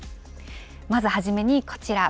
まず初めにこちら。